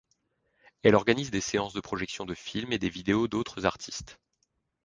Elle organise des séances de projection de films et de vidéos d’autres artistes.